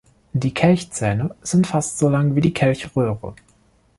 Die Kelchzähne sind fast so lang wie die Kelchröhre.